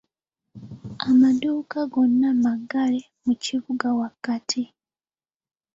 Amadduuka gonna maggale mu kibuga wakati.